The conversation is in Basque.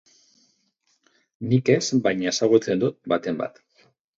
Nik ez, baina ezagutzen dut baten bat.